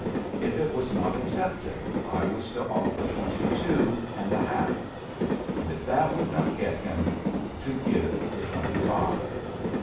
If it was not accepted, I was to offer twenty two and a hal^ and, if that would not get him, to give the twenty five.